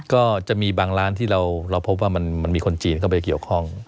ก็จะมีบางร้านที่เราพบว่ามันมีคนจีนเข้าไปเกี่ยวข้อง